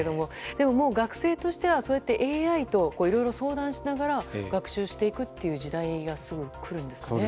でも、学生としてはそうやってＡＩといろいろ相談しながら学習する時代が来るんですかね。